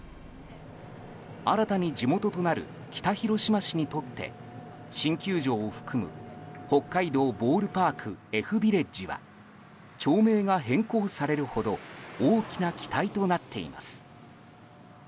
新たに地元となる北広島市にとって新球場を含む北海道ボールパークＦビレッジは町名が変更されるほど大きな期待となっています。